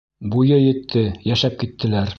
Буйы етте, йәшәп киттеләр.